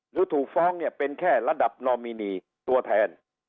หรือถูกฟ้องเนี่ยเป็นแค่ระดับนอมินีตัวแทน